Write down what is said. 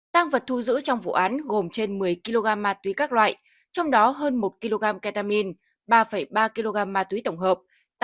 tăng vật thu giữ trong vụ án gồm trên một mươi kg ma túy các loại trong đó hơn một kg ketamine ba ba kg ma túy tổng hợp